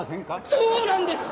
そうなんです！